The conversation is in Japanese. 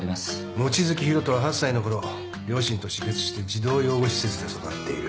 望月博人は８歳のころ両親と死別して児童養護施設で育っている。